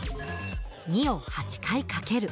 ２を８回かける。